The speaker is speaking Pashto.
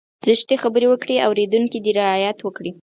زشتې خبرې وکړي اورېدونکی دې رعايت وکړي.